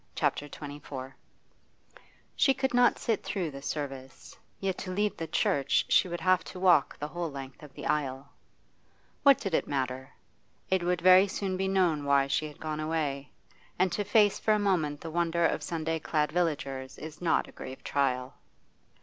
CHAPTER XXIV She could not sit through the service, yet to leave the church she would have to walk the whole length of the aisle. What did it matter? It would very soon be known why she had gone away, and to face for a moment the wonder of Sunday clad villagers is not a grave trial.